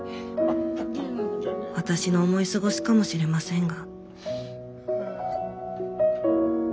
私の思い過ごしかもしれませんが」。